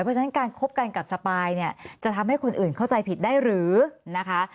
เพราะฉะนั้นการคบกันกับสปายเนี่ยจะทำให้คนอื่นเข้าใจผิดได้หรือนะคะ